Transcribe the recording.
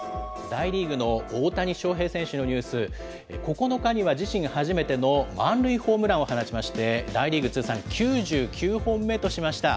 大リーグの大谷翔平選手のニュース、９日には、自身初めての満塁ホームランを放ちまして、大リーグ通算９９本目としました。